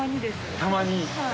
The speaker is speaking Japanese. たまに？